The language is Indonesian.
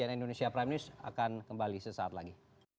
cnn indonesia prime news akan kembali sesaat lagi